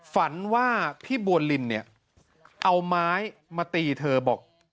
ฝันว่าพี่บัวลินเนี่ยเอาไม้มาตีเธอบอก